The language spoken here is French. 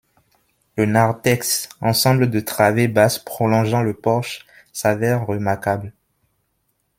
Le narthex, ensemble de travées basses prolongeant le porche, s’avère remarquable.